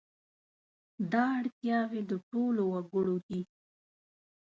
دا اړتیاوې د ټولو وګړو دي.